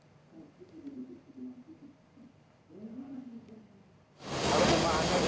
kementerian kesehatan dan kesehatan jawa haji